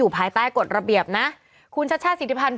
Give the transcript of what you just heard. ถือกว่าเนอะ